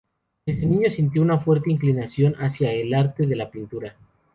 Desde niño sintió una fuerte inclinación hacia el arte de la pintura.